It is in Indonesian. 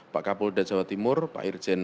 pak kapolda jawa timur pak irjen